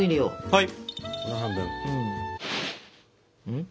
はい。